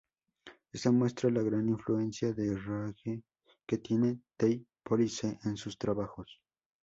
Esta muestra la gran influencia de reggae que tiene The Police en sus trabajos.